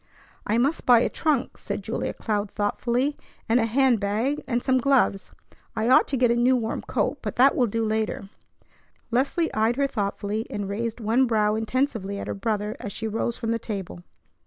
"I must buy a trunk," said Julia Cloud thoughtfully, "and a hand bag and some gloves. I ought to get a new warm coat, but that will do later." Leslie eyed her thoughtfully, and raised one brow intensively at her brother as she rose from the table.